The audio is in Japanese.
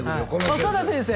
浅田先生！